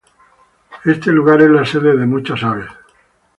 Este lugar es la sede de muchas aves.